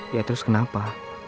ya terus kenapa